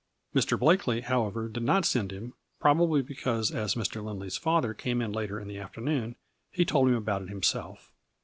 Mr. Blakely, however, did not send him, probably because as Mr. Lindley's father came in later in the afternoon he told him about it himself.